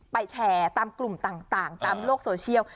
แชร์ตามกลุ่มต่างตามโลกโซเชียล